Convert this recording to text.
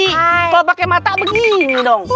kalau pakai mata begini dong